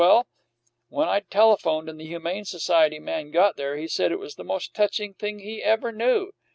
Well, when I'd telephoned, and the Humane Society man got there, he said it was the most touching thing he ever knew.